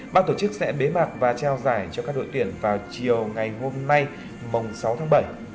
ban tổ chức sẽ bế mạc và trao giải cho các đội tuyển vào chiều ngày hôm nay mùng sáu tháng bảy